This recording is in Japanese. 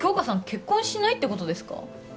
結婚しないってことですか？